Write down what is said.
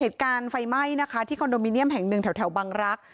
เหตุการณ์ไฟไหม้ที่คอนโดมิเนียมแห่ง๑แถวบังรักษ์